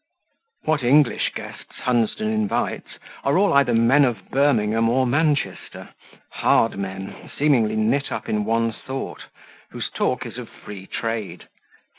What English guests Hunsden invites, are all either men of Birmingham or Manchester hard men, seemingly knit up in one thought, whose talk is of free trade.